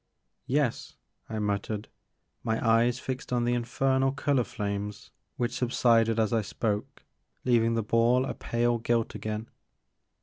Yes," I muttered, my eyes fixed on the in fernal color flames which subsided as I spoke, leaving the ball a pale gilt again.